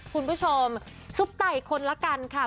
คุณผู้ชมซุปตาอีกคนละกันค่ะ